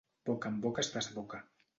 Boca amb boca es desboca.